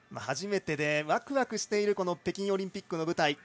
初めてでワクワクしている北京オリンピックの舞台。